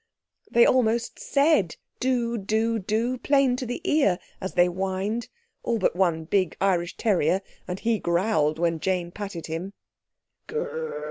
They almost said, "Do! do! do!" plain to the ear, as they whined; all but one big Irish terrier, and he growled when Jane patted him.